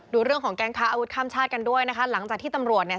ดูเรื่องของแก๊งค้าอาวุธข้ามชาติกันด้วยนะคะหลังจากที่ตำรวจเนี่ย